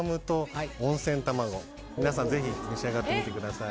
皆さんぜひ召し上がってみてください。